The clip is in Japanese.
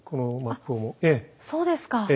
あっそうですか。